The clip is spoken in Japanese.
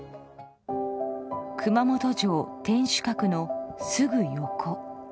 熊本城天守閣のすぐ横。